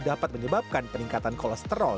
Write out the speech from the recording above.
dapat menyebabkan peningkatan kolesterol